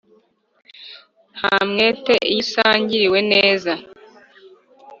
ntamwete iyo isangiriwe neza